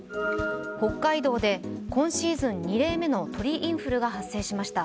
北海道で今シーズン２例目の鳥インフルが発生しました。